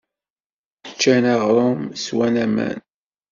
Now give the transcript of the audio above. Ččan aɣrum, swan aman.